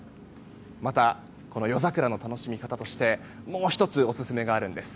また、この夜桜の楽しみ方としてもう１つオススメがあるんです。